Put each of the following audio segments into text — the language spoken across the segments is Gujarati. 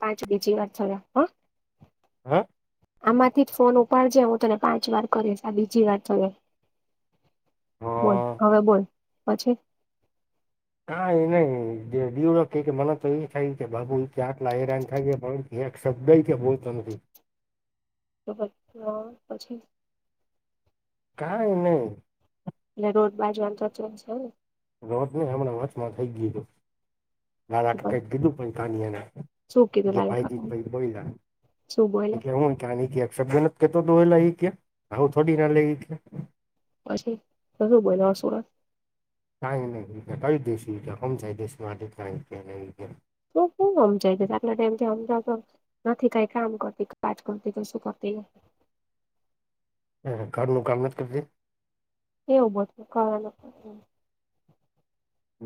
પાંચ બીજી વાત થરા હા હે એમાંથી જ ફોન ઉપાડજે હું તને પાંચ વાર કરી આ બીજી વાર તો બોલ હવે બોલ પછી. હા એ નહી દીવડો કે મને તો એ થાય કે બાુ આટલા હેરાન થાય ગાય શબ્દ કે બોલતો નથી તો પછી. કઈ નહી. એટલે રોજ બાજવાનું [unintelligible] છે. રત ન હમણાં હછમાં થઈ ગયું. નાદા કે ને કંઈક શું કીધું [unintelligible] લાલા ભાઈ જી કાકા પ બોયલા. શું બોયલા હું કાની ક શબ્દ નથી કેતો હતો એ લઈ કે આવું થોડી ના લઈ કે પછી ક શું બોલ સુરત ક ન કઈ દેશમ જાય દેશમાં ક શું શું સમજાય છે આટલા ટાઈમથી સમજાવતો નથી કઈ કામ કરતી કજ કરતી તો શું કરતી ઘરનું કર નથ કરતી એવું બધું કરવા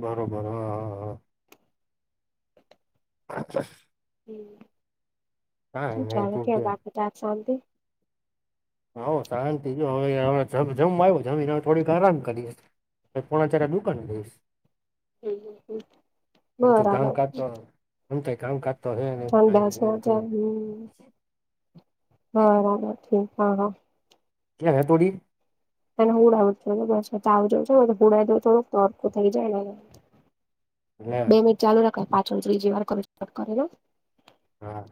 બરોબર હા હા હા અચ્છા શુ નહી ચાલે [unintelligible] તું કે બધા શોન્તી હ શાંતિ જો હવે અઇયા જમવા આવ્યું જમીને હ થોડીક આરામ કરીયે પોણા ચ્યારે દુકાને જઈશ હ આમ તો બરાબર કામકાજ તો [unintelligible] ઠંડા કાંઈ એવું કઈ હમ્મ [unintelligible] હા હા. ક્યાં હ થડી અને હુડ આવ થ બસ તો આવજો છો તો હુડ તો થોડુંક તરકું થઈ જાય ને લે બે મિનિટ ચાલુ રાખે પાછળ ત્રીજી વાર કરુટ કરે હા